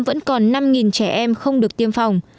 vẫn còn năm trẻ em không được tiêm phòng